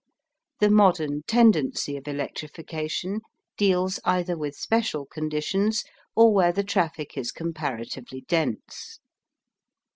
The modern tendency of electrification deals either with special conditions or where the traffic is comparatively dense.